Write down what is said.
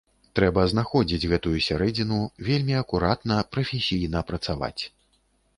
Трэба знаходзіць гэтую сярэдзіну, вельмі акуратна, прафесійна працаваць.